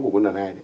của quân đoàn hai